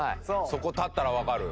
そこ立ったらわかる？